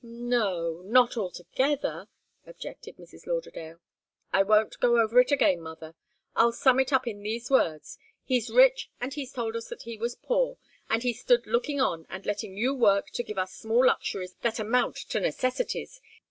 "No not altogether," objected Mrs. Lauderdale. "I won't go over it again, mother. I'll sum it up in these words. He's rich, and he's told us that he was poor, and he's stood looking on and letting you work to give us small luxuries that amount to necessities.